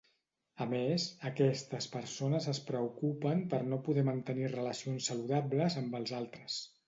A més, aquestes persones es preocupen per no poder mantenir relacions saludables amb els altres.